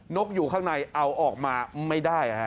กอยู่ข้างในเอาออกมาไม่ได้